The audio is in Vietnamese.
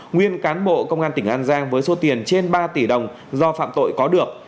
nguyên cán bộ công an tỉnh an giang với số tiền trên ba tỷ đồng do phạm tội có được